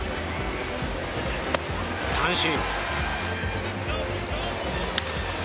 三振。